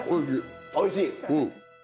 おいしい。